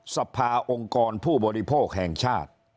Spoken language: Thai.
สภาองค์กรผู้บริโภคแห่งชาติ